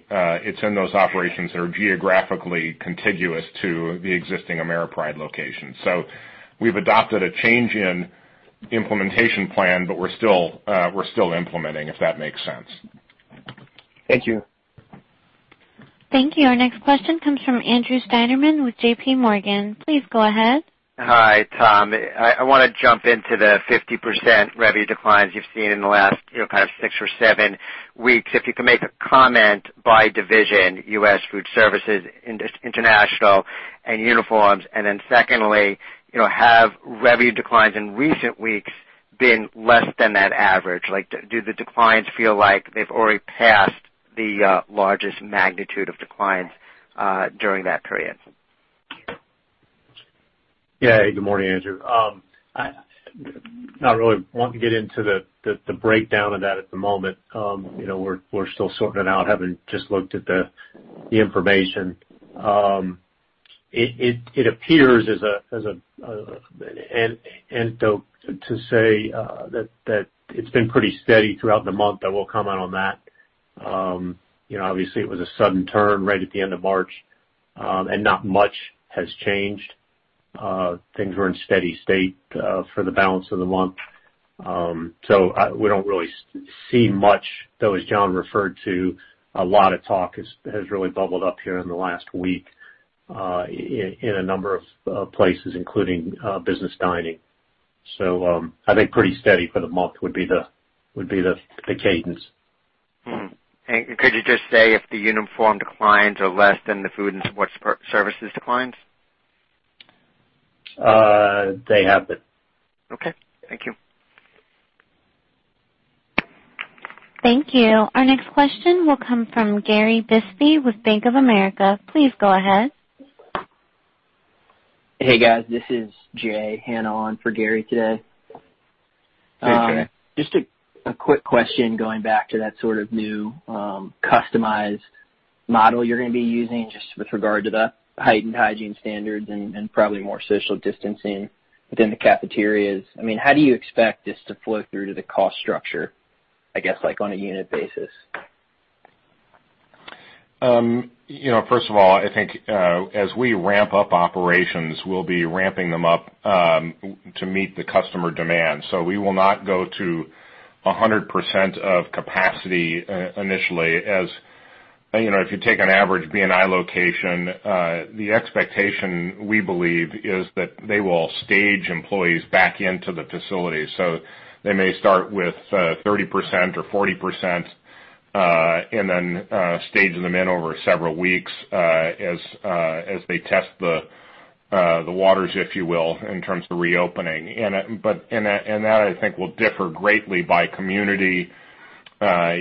it's in those operations that are geographically contiguous to the existing AmeriPride location. We've adopted a change in implementation plan, but we're still implementing, if that makes sense. Thank you. Thank you. Our next question comes from Andrew Steinerman with J.P. Morgan. Please go ahead. Hi, Tom. I wanna jump into the 50% revenue declines you've seen in the last, you know, kind of six or seven weeks. If you can make a comment by division, U.S. Food Services, International and Uniforms. Secondly, you know, have revenue declines in recent weeks been less than that average? Like, do the declines feel like they've already passed the largest magnitude of declines during that period? Yeah. Good morning, Andrew. Not really wanting to get into the breakdown of that at the moment. You know, we're still sorting it out, having just looked at the information. It appears as a... To say that it's been pretty steady throughout the month, I will comment on that. You know, obviously, it was a sudden turn right at the end of March, and not much has changed. Things were in steady state for the balance of the month. We don't really see much, though, as John referred to, a lot of talk has really bubbled up here in the last week, in a number of places, including business dining. I think pretty steady for the month would be the cadence. Mm-hmm. Could you just say if the uniform declines are less than the food and support services declines? They have been. Okay. Thank you. Thank you. Our next question will come from Gary Bisbee with Bank of America. Please go ahead. Hey, guys. This is Jay Hanna on for Gary today. Hey, Jay. Just a quick question going back to that sort of new customized model you're gonna be using, just with regard to the heightened hygiene standards and probably more social distancing within the cafeterias. I mean, how do you expect this to flow through to the cost structure, I guess, like on a unit basis? You know, first of all, I think, as we ramp up operations, we'll be ramping them up to meet the customer demand. We will not go to 100% of capacity initially. As, you know, if you take an average B&I location, the expectation, we believe, is that they will stage employees back into the facility. They may start with 30% or 40%, and then stage them in over several weeks as they test the waters, if you will, in terms of reopening. But that, I think, will differ greatly by community,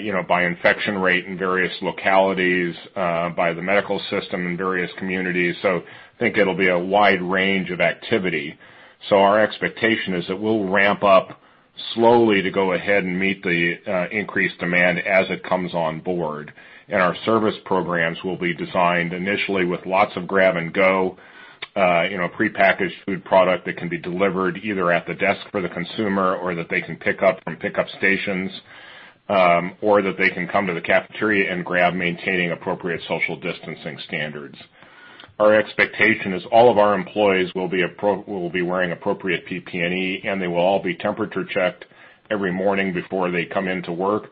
you know, by infection rate in various localities, by the medical system in various communities. I think it'll be a wide range of activity. Our expectation is that we'll ramp up slowly to go ahead and meet the increased demand as it comes on board. Our service programs will be designed initially with lots of grab and go, you know, prepackaged food product that can be delivered either at the desk for the consumer or that they can pick up from pickup stations, or that they can come to the cafeteria and grab, maintaining appropriate social distancing standards. Our expectation is all of our employees will be wearing appropriate PPE, and they will all be temperature checked every morning before they come into work.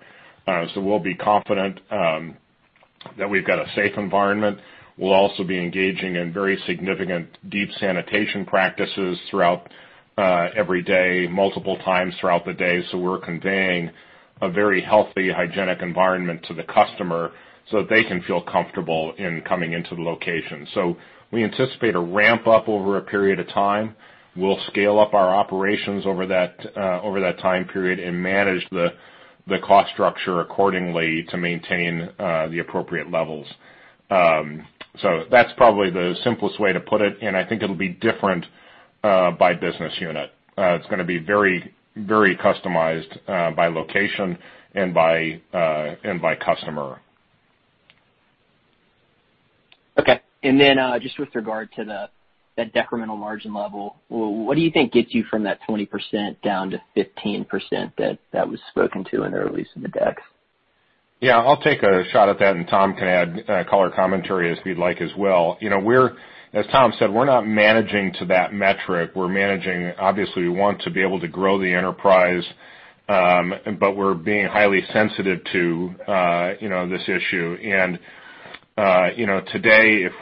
We'll be confident that we've got a safe environment. We'll also be engaging in very significant deep sanitation practices throughout every day, multiple times throughout the day. We're conveying a very healthy, hygienic environment to the customer, so that they can feel comfortable in coming into the location. We anticipate a ramp up over a period of time. We'll scale up our operations over that, over that time period and manage the cost structure accordingly to maintain the appropriate levels. That's probably the simplest way to put it, and I think it'll be different by business unit. It's gonna be very, very customized by location and by customer. Okay. Just with regard to the, that decremental margin level, what do you think gets you from that 20% down to 15% that was spoken to in the release in the deck? Yeah, I'll take a shot at that, Tom can add color commentary as we'd like as well. You know, as Tom said, we're not managing to that metric. We're managing. Obviously, we want to be able to grow the enterprise, but we're being highly sensitive to, you know, this issue. You know, today, if,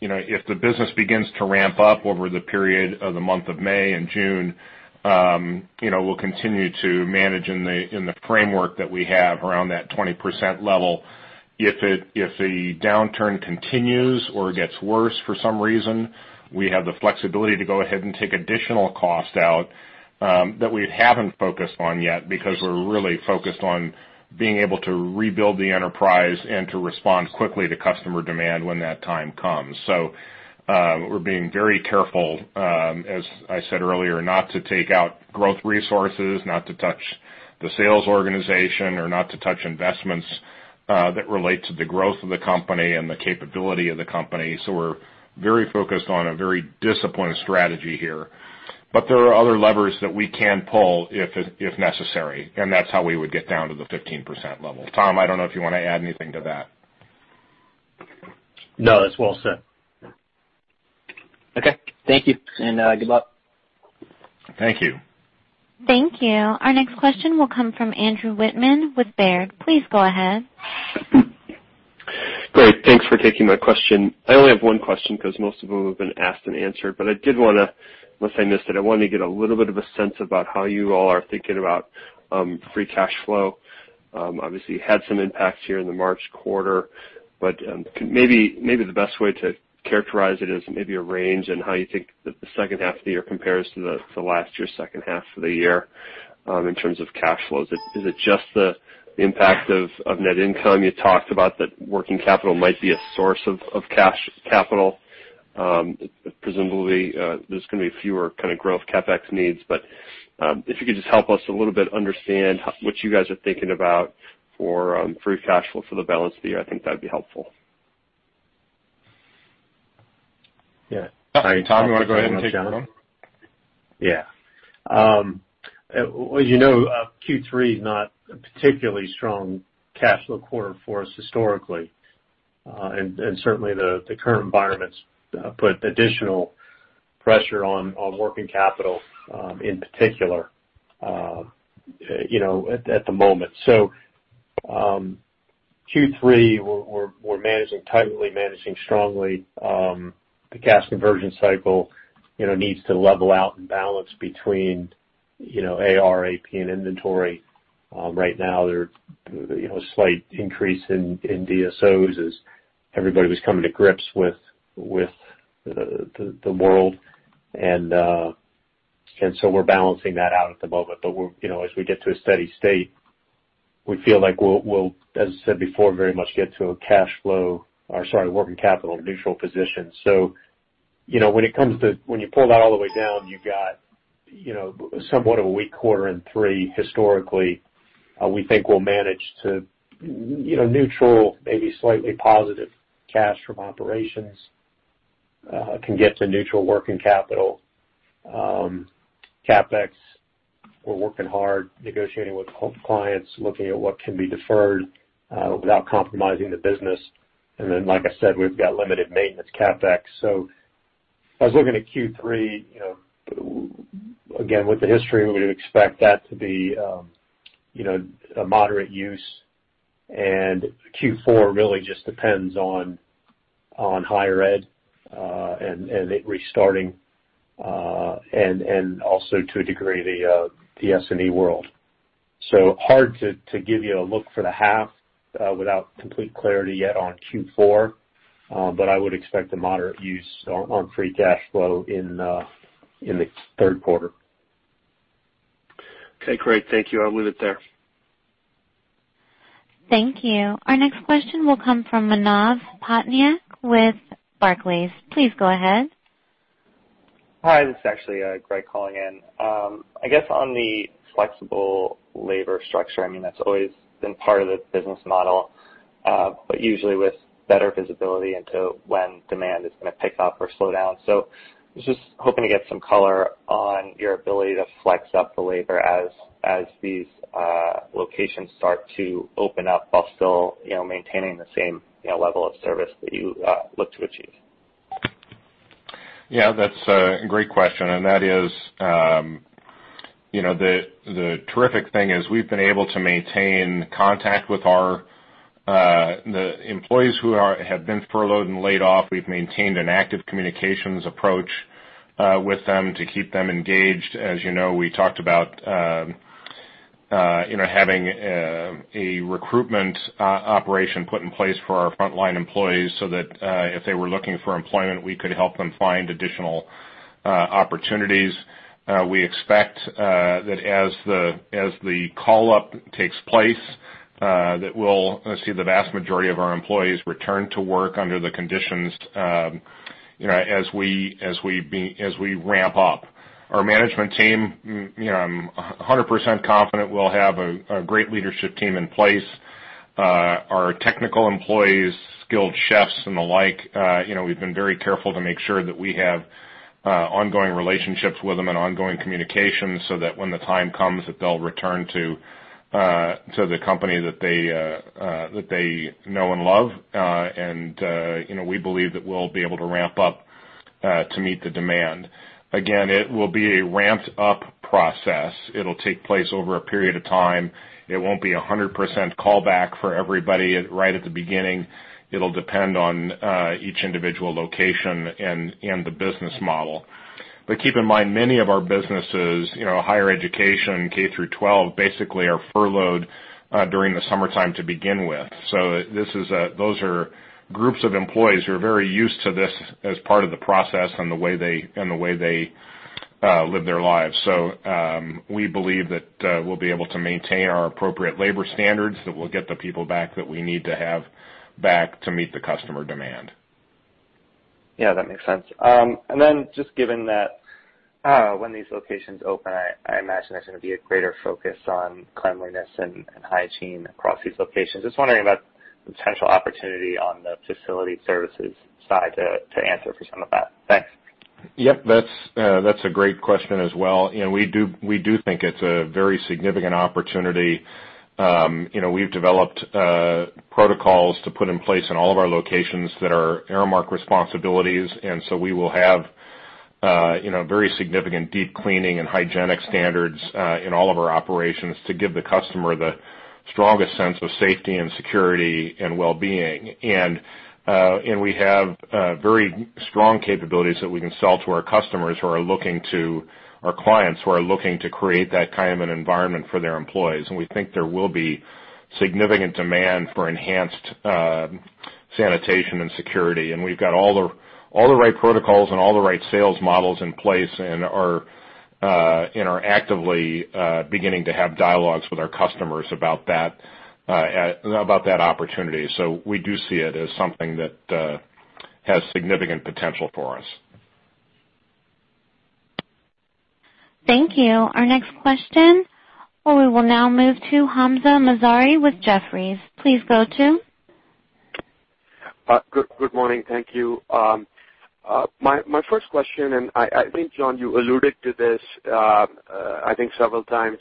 you know, if the business begins to ramp up over the period of the month of May and June, you know, we'll continue to manage in the, in the framework that we have around that 20% level. If the downturn continues or gets worse for some reason, we have the flexibility to go ahead and take additional cost out that we haven't focused on yet, because we're really focused on being able to rebuild the enterprise and to respond quickly to customer demand when that time comes. We're being very careful as I said earlier, not to take out growth resources, not to touch the sales organization or not to touch investments that relate to the growth of the company and the capability of the company. We're very focused on a very disciplined strategy here. But there are other levers that we can pull if necessary, and that's how we would get down to the 15% level. Tom, I don't know if you want to add anything to that? No, that's well said. Okay, thank you, and good luck. Thank you. Thank you. Our next question will come from Andrew Wittmann with Baird. Please go ahead. Great, thanks for taking my question. I only have one question, because most of them have been asked and answered, but I did wanna, unless I missed it, I wanted to get a little bit of a sense about how you all are thinking about free cash flow. Obviously, you had some impacts here in the March quarter, but maybe the best way to characterize it is maybe a range and how you think the second half of the year compares to last year's second half of the year in terms of cash flows. Is it just the impact of net income? You talked about that working capital might be a source of cash capital. Presumably, there's gonna be fewer kind of growth CapEx needs, but if you could just help us a little bit understand what you guys are thinking about for free cash flow for the balance of the year, I think that'd be helpful. Yeah. Tom, you wanna go ahead and take that one? Yeah. Well, you know, Q3 is not a particularly strong cash flow quarter for us historically. Certainly the current environment's put additional pressure on working capital in particular, you know, at the moment. Q3, we're managing tightly, managing strongly. The cash conversion cycle, you know, needs to level out and balance between, you know, AR, AP, and inventory. Right now, you know, a slight increase in DSO as everybody was coming to grips with the world. We're balancing that out at the moment, you know, as we get to a steady state, we feel like as I said before, very much get to a cash flow or sorry, working capital neutral position. you know, when you pull that all the way down, you've got, you know, somewhat of a weak quarter in three historically. We think we'll manage to, you know, neutral, maybe slightly positive cash from operations, can get to neutral working capital. CapEx, we're working hard negotiating with clients, looking at what can be deferred without compromising the business. Like I said, we've got limited maintenance CapEx. I was looking at Q3, you know, again, with the history, we would expect that to be, you know, a moderate use. Q4 really just depends on higher ed, and it restarting, and also to a degree, the S&E world. hard to give you a look for the half, without complete clarity yet on Q4, but I would expect a moderate use on free cash flow in the third quarter. Okay, great. Thank you. I'll leave it there. Thank you. Our next question will come from Manav Patnaik with Barclays. Please go ahead. Hi, this is actually Greg calling in. I guess, on the flexible labor structure, I mean, that's always been part of the business model, but usually with better visibility into when demand is gonna pick up or slow down. I was just hoping to get some color on your ability to flex up the labor as these locations start to open up, but still, you know, maintaining the same, you know, level of service that you look to achieve. Yeah, that's a great question. That is, you know, the terrific thing is we've been able to maintain contact with our, the employees who have been furloughed and laid off. We've maintained an active communications approach with them to keep them engaged. As you know, we talked about, you know, having a recruitment operation put in place for our frontline employees so that, if they were looking for employment, we could help them find additional opportunities. We expect that as the, as the call up takes place, that we'll see the vast majority of our employees return to work under the conditions, you know, as we, as we ramp up. Our management team, you know, I'm 100% confident we'll have a great leadership team in place. Our technical employees, skilled chefs, and the like, you know, we've been very careful to make sure that we have ongoing relationships with them and ongoing communications, so that when the time comes that they'll return to the company that they know and love, and you know, we believe that we'll be able to ramp up to meet the demand. Again, it will be a ramped-up process. It'll take place over a period of time. It won't be a 100% callback for everybody at, right at the beginning. It'll depend on each individual location and the business model. Keep in mind, many of our businesses, you know, higher education, K-12, basically are furloughed during the summertime to begin with. This is a... Those are groups of employees who are very used to this as part of the process and the way they live their lives. We believe that, we'll be able to maintain our appropriate labor standards, that we'll get the people back that we need to have back to meet the customer demand. Yeah, that makes sense. Just given that, when these locations open, I imagine there's gonna be a greater focus on cleanliness and hygiene across these locations. Just wondering about the potential opportunity on the facility services side to answer for some of that. Thanks. Yep, that's a great question as well. You know, we do think it's a very significant opportunity. You know, we've developed protocols to put in place in all of our locations that are Aramark responsibilities. We will have, you know, very significant deep cleaning and hygienic standards in all of our operations to give the customer the strongest sense of safety and security and wellbeing. We have very strong capabilities that we can sell to our customers who are looking to our clients, who are looking to create that kind of an environment for their employees. We think there will be significant demand for enhanced sanitation and security. We've got all the right protocols and all the right sales models in place and are actively beginning to have dialogues with our customers about that opportunity. We do see it as something that has significant potential for us. Thank you. Our next question, we will now move to Hamzah Mazari with Jefferies. Please go to. Good morning. Thank you. My first question, and I think, John, you alluded to this, I think several times,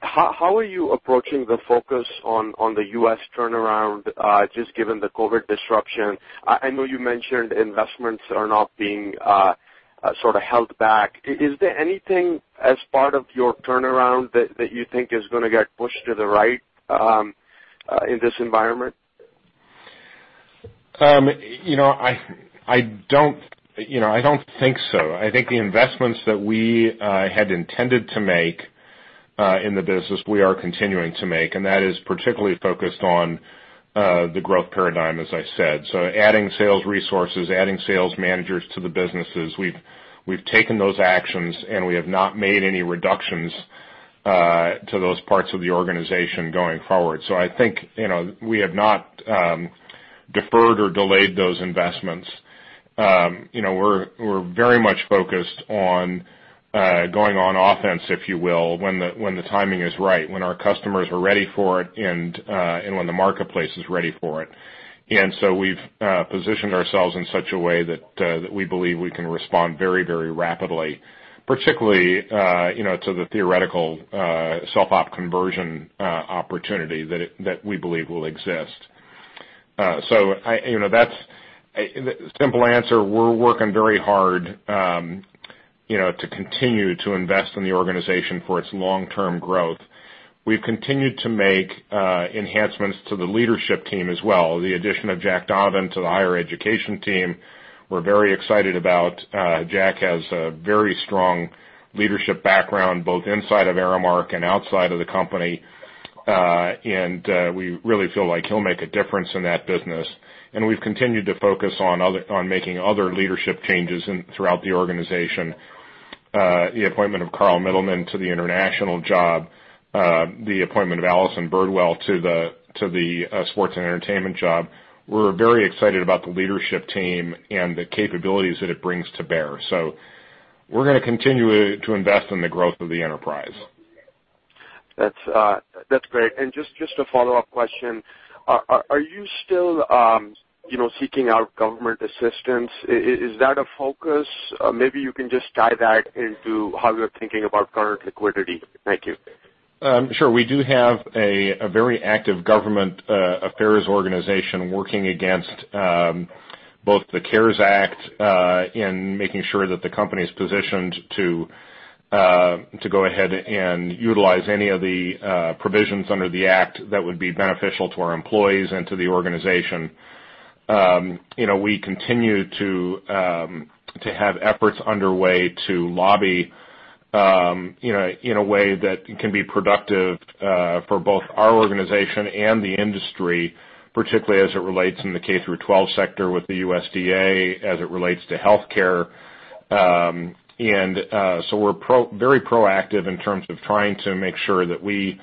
how are you approaching the focus on the U.S. turnaround, just given the COVID disruption? I know you mentioned investments are not being sort of held back. Is there anything as part of your turnaround that you think is gonna get pushed to the right in this environment? you know, I don't, you know, I don't think so. I think the investments that we had intended to make in the business, we are continuing to make. That is particularly focused on the growth paradigm, as I said. Adding sales resources, adding sales managers to the businesses. We've taken those actions. We have not made any reductions to those parts of the organization going forward. I think, you know, we have not deferred or delayed those investments. you know, we're very much focused on going on offense, if you will, when the timing is right, when our customers are ready for it, and when the marketplace is ready for it. We've positioned ourselves in such a way that we believe we can respond very, very rapidly, particularly, you know, to the theoretical self-op conversion opportunity that we believe will exist. I, you know, the simple answer, we're working very hard, you know, to continue to invest in the organization for its long-term growth. We've continued to make enhancements to the leadership team as well. The addition of Jack Donovan to the Higher Education team, we're very excited about. Jack has a very strong leadership background, both inside of Aramark and outside of the company. We really feel like he'll make a difference in that business. We've continued to focus on making other leadership changes in, throughout the organization. The appointment of Carl Mittleman to the International job, the appointment of Alison Birdwell to the Sports & Entertainment job. We're very excited about the leadership team and the capabilities that it brings to bear. We're gonna continue to invest in the growth of the enterprise. That's great. Just a follow-up question. Are you still, you know, seeking out government assistance? Is that a focus? Maybe you can just tie that into how you're thinking about current liquidity. Thank you. Sure. We do have a very active government affairs organization working against both the CARES Act in making sure that the company is positioned to go ahead and utilize any of the provisions under the act that would be beneficial to our employees and to the organization. You know, we continue to have efforts underway to lobby, you know, in a way that can be productive for both our organization and the industry, particularly as it relates in the K-12 sector with the USDA, as it relates to healthcare. We're very proactive in terms of trying to make sure that we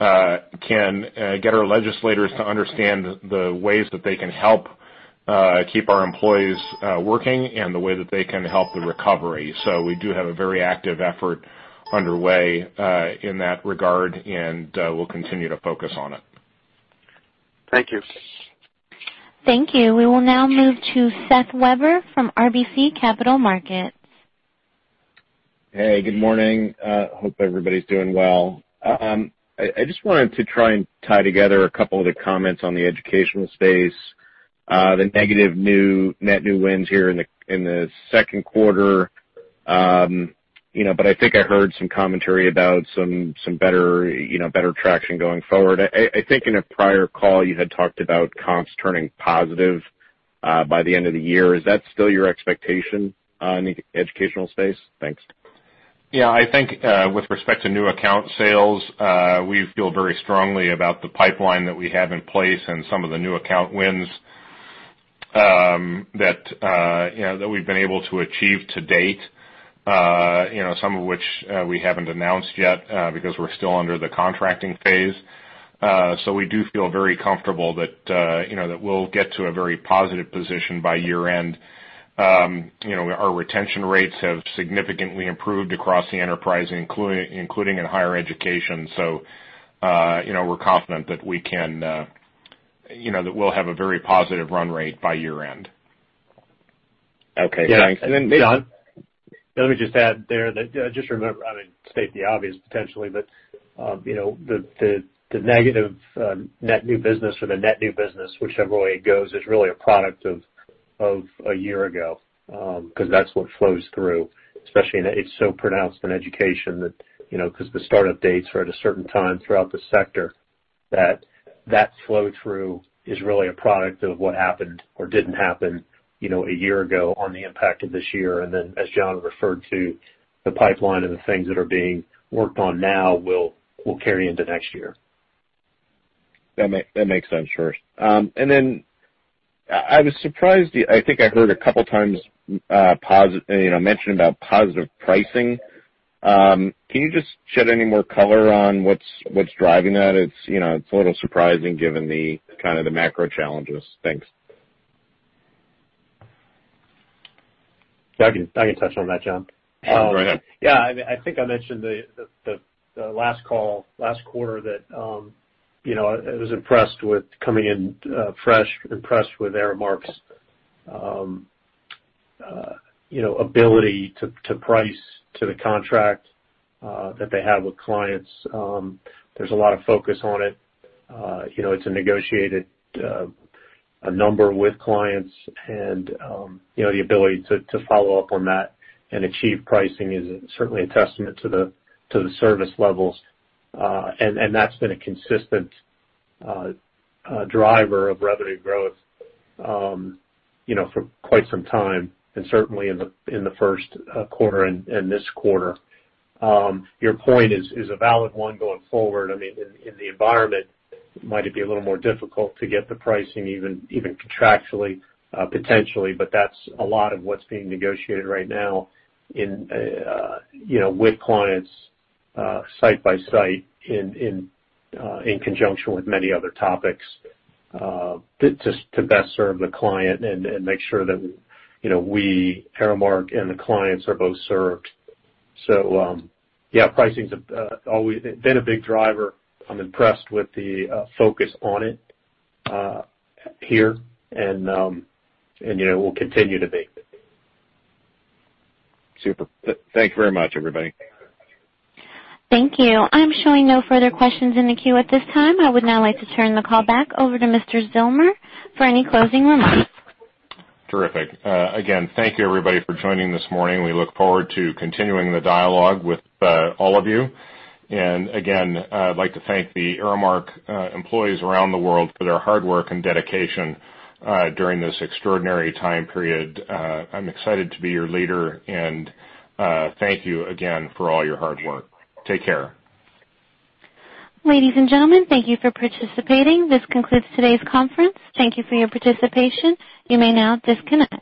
can get our legislators to understand the ways that they can help keep our employees working and the way that they can help the recovery. We do have a very active effort underway, in that regard, and, we'll continue to focus on it. Thank you. Thank you. We will now move to Seth Weber from RBC Capital Markets. Hey, good morning. Hope everybody's doing well. I just wanted to try and tie together a couple of the comments on the educational space. The negative new, net new wins here in the second quarter. You know, I think I heard some better, you know, better traction going forward. I think in a prior call, you had talked about comps turning positive by the end of the year. Is that still your expectation in the educational space? Thanks. I think, with respect to new account sales, we feel very strongly about the pipeline that we have in place and some of the new account wins that, you know, that we've been able to achieve to date. You know, some of which, we haven't announced yet, because we're still under the contracting phase. We do feel very comfortable that, you know, that we'll get to a very positive position by year end. You know, our retention rates have significantly improved across the enterprise, including in higher education. We're confident that we can, you know, that we'll have a very positive run rate by year end. Okay, thanks. Then, John? Let me just add there that just remember, I mean, state the obvious potentially, but, you know, the negative net new business or the net new business, whichever way it goes, is really a product of a year ago, because that's what flows through, especially in that it's so pronounced in education that, you know, because the startup dates are at a certain time throughout the sector, that flow through is really a product of what happened or didn't happen, you know, a year ago on the impact of this year. As John referred to, the pipeline and the things that are being worked on now will carry into next year. That makes sense. Sure. Then I was surprised, I think I heard a couple times, you know, mention about positive pricing. Can you just shed any more color on what's driving that? It's, you know, it's a little surprising given the kind of the macro challenges. Thanks. Yeah, I can touch on that, John. Go right ahead. Yeah, I think I mentioned the last call, last quarter that, you know, I was impressed with coming in fresh, impressed with Aramark's, you know, ability to price to the contract that they have with clients. There's a lot of focus on it. You know, it's a negotiated number with clients and, you know, the ability to follow up on that and achieve pricing is certainly a testament to the service levels. And that's been a consistent driver of revenue growth, you know, for quite some time, and certainly in the first quarter and this quarter. Your point is a valid one going forward. I mean, in the environment, might it be a little more difficult to get the pricing even contractually, potentially, but that's a lot of what's being negotiated right now in, you know, with clients, site by site, in conjunction with many other topics, to best serve the client and make sure that, you know, we, Aramark and the clients are both served. Yeah, pricing's always been a big driver. I'm impressed with the focus on it, here. You know, we'll continue to be. Super. Thank you very much, everybody. Thank you. I'm showing no further questions in the queue at this time. I would now like to turn the call back over to Mr. Zillmer for any closing remarks. Terrific. Again, thank you, everybody, for joining this morning. We look forward to continuing the dialogue with all of you. I'd like to thank the Aramark employees around the world for their hard work and dedication during this extraordinary time period. I'm excited to be your leader, and thank you again for all your hard work. Take care. Ladies and gentlemen, thank you for participating. This concludes today's conference. Thank you for your participation. You may now disconnect.